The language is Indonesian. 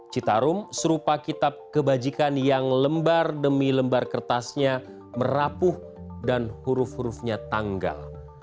citarum serupa kitab kebajikan yang lembar demi lembar kertasnya merapuh dan huruf hurufnya tanggal